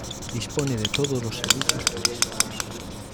Dispone de todos los servicios turísticos.